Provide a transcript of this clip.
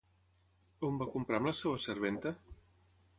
On va a comprar amb la seva serventa?